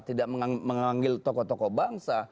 tidak memanggil tokoh tokoh bangsa